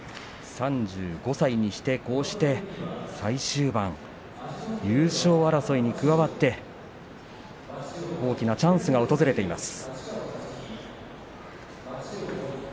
３５歳にして、こうして最終盤優勝争いに加わって大きなチャンスが訪れています。